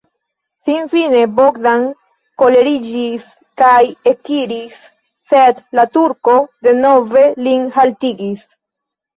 Finfine Bogdan koleriĝis kaj ekiris, sed la turko denove lin haltigis.